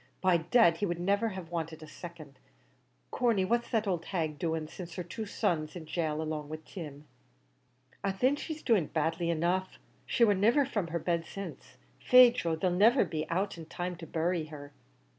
By dad, he would niver have wanted a second. Corney what's the owld hag doing since her two sons is in gaol along with Tim?" "Ah! thin, she's doing badly enough; she war niver from her bed since. Faix, Joe, they'll niver be out in time to bury her."